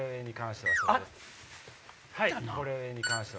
これに関しては。